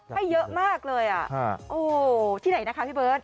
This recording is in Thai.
ให้เยอะมากเลยที่ไหนนะครับพี่เบิร์ต